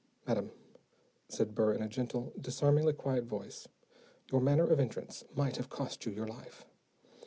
"Madam," said Burr in a gentle, disarmingly quiet voice, "your manner of entrance might have cost you your life.